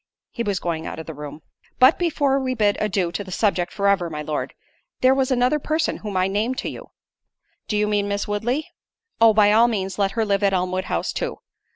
He was going out of the room. "But before we bid adieu to the subject for ever, my Lord—there was another person whom I named to you—" "Do you mean Miss Woodley? Oh, by all means let her live at Elmwood House too.